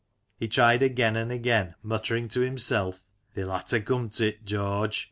He tried again and again, muttering to himself: "thae'll ha' to come to 't, George